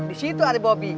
di situ ada bobby